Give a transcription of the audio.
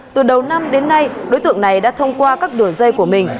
từ đầu năm đến nay đối tượng này đã thông qua các đường dây của mình